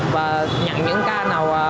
và nhận những ca nào